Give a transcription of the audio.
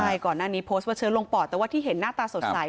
ใช่ก่อนหน้านี้โพสต์ว่าเชื้อลงปอดแต่ว่าที่เห็นหน้าตาสดใส